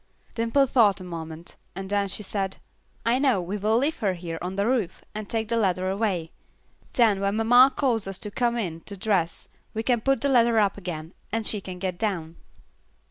Dimple thought a moment, and then she said, "I know, we will leave her here on the roof, and take the ladder away; then when mamma calls us to come in to dress we can put the ladder up again, and she can get down."